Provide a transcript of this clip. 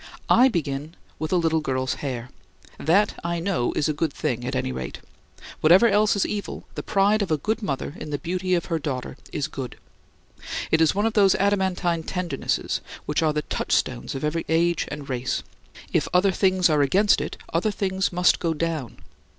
I begin with a little girl's hair. That I know is a good thing at any rate. Whatever else is evil, the pride of a good mother in the beauty of her daughter is good. It is one of those adamantine tendernesses which are the touchstones of every age and race. If other things are against it, other things must go down.